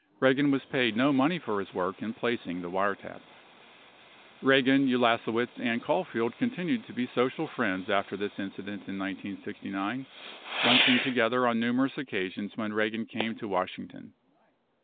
Eagan was paid no money for his work in placing the wiretap. Eagan, Ulasewicz, and Caulfield continued to be social friends after this incident in 1969, lunching together on numerous occasions when Eagan came to Washington.